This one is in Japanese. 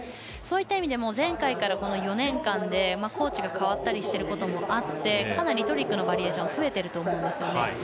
そういった意味では前回からこの４年間でコーチが代わったりしていることもあってかなりトリックのバリエーション増えていると思います。